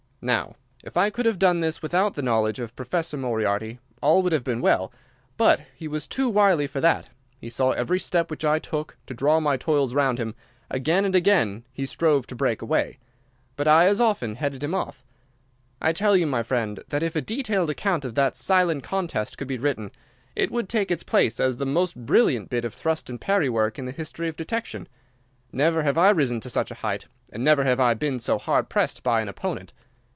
"Now, if I could have done this without the knowledge of Professor Moriarty, all would have been well. But he was too wily for that. He saw every step which I took to draw my toils round him. Again and again he strove to break away, but I as often headed him off. I tell you, my friend, that if a detailed account of that silent contest could be written, it would take its place as the most brilliant bit of thrust and parry work in the history of detection. Never have I risen to such a height, and never have I been so hard pressed by an opponent.